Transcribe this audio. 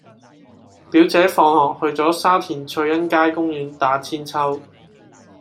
表姐放學去左沙田翠欣街公園打韆鞦